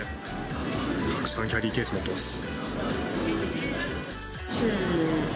たくさんキャリーケース持ってます。